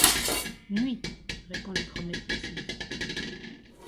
Nuit! répond le cromlech pensif.